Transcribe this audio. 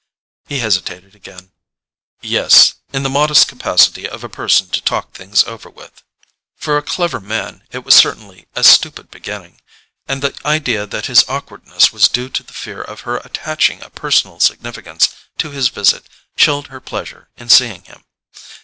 He hesitated again. "Yes: in the modest capacity of a person to talk things over with." For a clever man it was certainly a stupid beginning; and the idea that his awkwardness was due to the fear of her attaching a personal significance to his visit, chilled her pleasure in seeing him.